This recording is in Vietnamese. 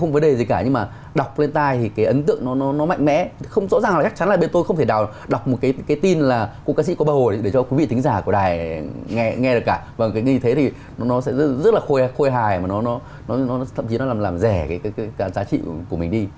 và nó thậm chí làm rẻ cái giá trị của mình đi